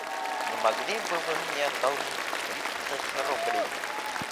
Не могли ли бы вы мне одолжить тридцать рублей?